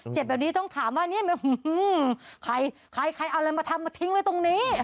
เจ็บแบบนี้ต้องถามว่าเนี่ยใครใครเอาอะไรมาทำมาทิ้งไว้ตรงนี้